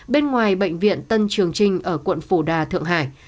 bên ngoài bệnh viện tân trường trinh ở quận phủ đà thượng hải